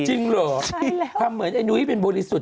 จริงเหรอทำเหมือนไอ้นุ้ยเป็นบริสุทธิ์